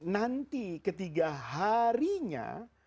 nanti ketiga harinya